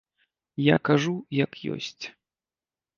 Я кажу, як ёсць.